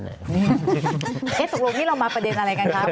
นี้สุดรงนี่เรามาประเด็นอะไรกันครับ